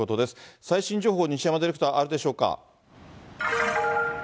最新情報、西山ディレクターあるでしょうか。